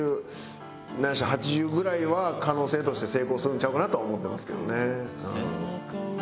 ７０ないし８０ぐらいは可能性として成功するんちゃうかなとは思ってますけどね。